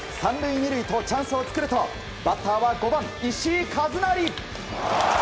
３塁、２塁とチャンスを作るとバッターは５番、石井一成。